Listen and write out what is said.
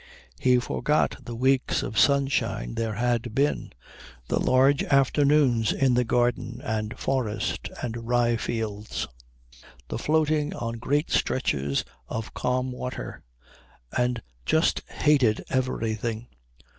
He forgot the weeks of sunshine there had been, the large afternoons in the garden and forest and rye fields, the floating on great stretches of calm water, and just hated everything.